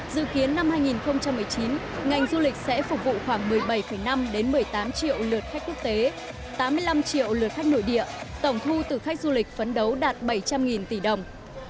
dự kiến năm hai nghìn một mươi chín ngành du lịch sẽ phục vụ khoảng một mươi bảy năm một mươi tám triệu lượt khách quốc tế tám mươi năm triệu lượt khách nội địa tổng thu từ khách du lịch phấn đấu đạt bảy trăm linh tỷ đồng